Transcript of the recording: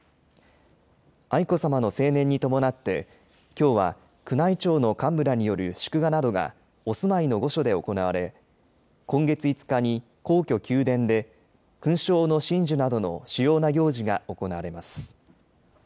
愛子さまの成年に伴って、きょうは宮内庁の幹部らによる祝賀などがお住まいの御所で行われ、今月５日に皇居・宮殿で勲章の親授などの主要な行事が行われます。